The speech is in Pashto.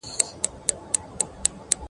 دا کښېناستل له هغه ګټورې دي!